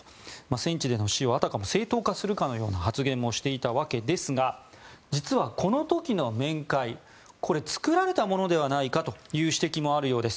戦地での死をあたかも正当化するかのような発言をしていたわけですが実は、この時の面会作られたものではないかという指摘もあるようです。